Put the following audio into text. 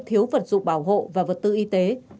thiếu vật dụng bảo hộ và vật tư y tế